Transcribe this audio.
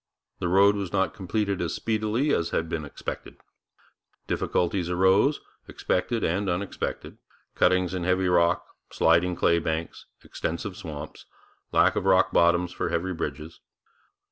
The road was not completed as speedily as had been expected. Difficulties arose, expected and unexpected cuttings in heavy rock, sliding clay banks, extensive swamps, lack of rock bottom for heavy bridges.